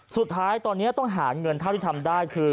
สุดท้ายตอนนี้ต้องหาเงินเท่าที่ทำได้คือ